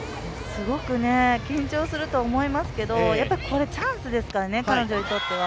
すごく緊張すると思いますけどこれ、チャンスですからね、彼女にとっては。